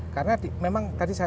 karena memang tadi saya